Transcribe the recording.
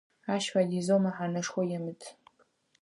Ащ фэдизэу мэхьанэшхо емыт.